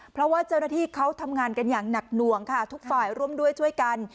เพราะว่าเจ้าหน้าที่เขาทำงานกันอย่างหนักหน่วงค่ะทุกฝ่ายร่วมด้วยช่วยกัน